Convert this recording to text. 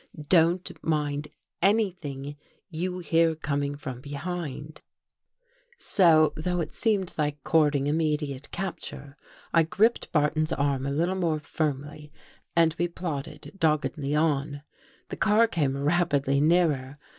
" Don't mind anything you hear coming from behind." 235 THE GHOST GIRL So though It seemed like courting immediate cap ture, I gripped Barton's arm a little more firmly and we plodded doggedly on. The car came rapidly nearer.